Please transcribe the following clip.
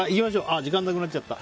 時間なくなっちゃった。